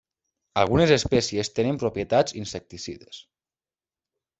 Algunes espècies tenen propietats insecticides.